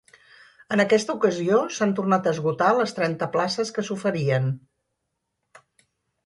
En aquesta ocasió s’han tornat a esgotar les trenta places que s’oferien.